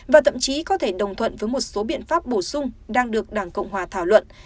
và thậm chí có thể đồng thuận với một số biện pháp bổ sung đang được đảng cộng hòa thảo luận